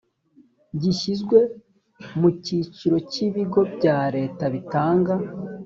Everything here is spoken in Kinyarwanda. gishyizwe mu cyiciro cy ibigo bya leta bitanga